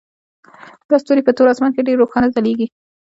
دا ستوري په تور اسمان کې ډیر روښانه ځلیږي